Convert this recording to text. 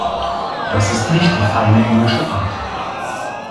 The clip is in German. Das ist nicht die feine englische Art.